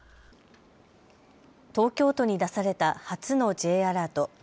東京都に出された初のＪアラート。